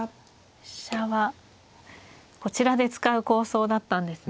飛車はこちらで使う構想だったんですね。